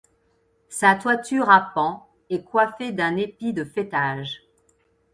Sa toiture à pans est coiffée d'un épi de faîtage.